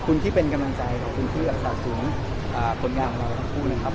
คุณที่เป็นกำลังใจคุณที่สาธารณ์สูงผลงานของเราทั้งคู่นะครับ